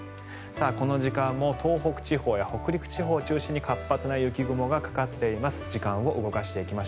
この時間も東北地方や北陸地方を中心に活発な雪雲がかかっています。